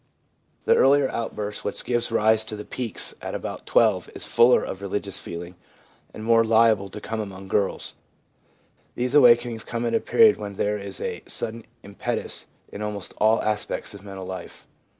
The earlier outburst 206 THE PSYCHOLOGY OF RELIGION which gives rise to the peaks at about 12 is fuller of religious feeling, and more liable to come among girls. These awakenings come at a period when there is a sudden impetus in almost all aspects of mental life.